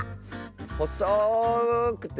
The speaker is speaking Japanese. ほそくて。